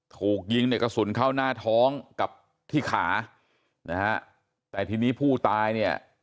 ถูกยิงในกระสุนเข้าหน้าท้องกับที่ขานะฮะแต่ทีนี้ผู้ตายเนี่ย